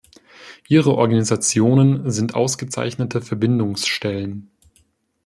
Ihre Organisationen sind ausgezeichnete Verbindungsstellen.